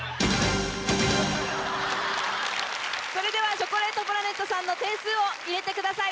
チョコレートプラネットさんの点数を入れてください。